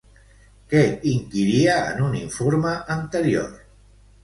Què inquiria en un informe anterior?